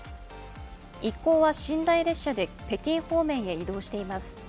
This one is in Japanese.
一行は寝台列車で北京方面へ移動しています